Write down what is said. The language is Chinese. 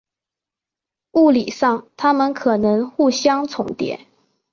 物理上它们可能互相重叠。